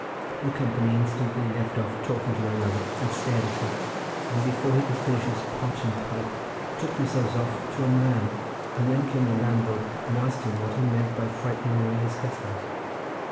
The company instantly left off talking to one another, and stared at him, and before he could finish his pot and pipe took themselves off to a man, and then came the landlord, and asked him what he meant by frightening away his customers.